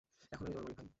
এখন আমি তোমার মালিক, ভাই।